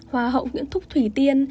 hoa hậu nguyễn thúc thủy tiên